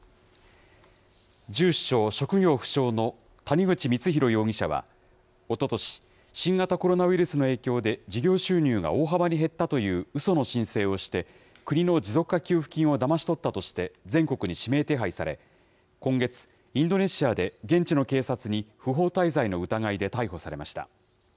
住所、職業不詳の谷口光弘容疑者はおととし、新型コロナウイルスの影響で事業収入が大幅に減ったといううその申請をして、国の持続化給付金をだまし取ったとして、全国に指名手配され、今月、インドネシアで現地の警察に不法滞在の疑いで逮捕されました。